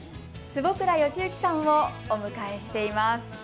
坪倉由幸さんをお迎えしています。